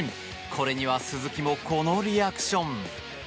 これには鈴木もこのリアクション。